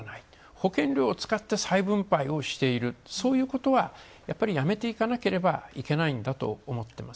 保険料を使って再分配をしている、そういうことはやめていかなければいけないんだと思っています。